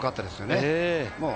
よかったですよね。